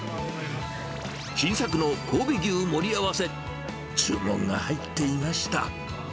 新作の神戸牛盛り合わせ、注文が入っていました。